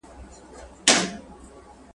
واړه زېږول دي